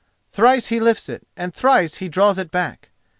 Thrice he lifts it, and thrice he draws it back.